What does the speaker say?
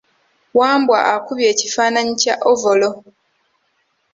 Wambwa akubye ekifananyi kya ovolo.